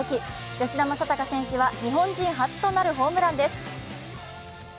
吉田正尚選手は日本人初となるホームランです。